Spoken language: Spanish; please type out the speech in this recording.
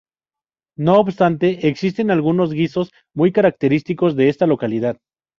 No obstante, existen algunos guisos muy característicos de esta localidad.